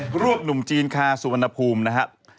รวบหนุ่มจีนคาสุวรรณภูมินะครับ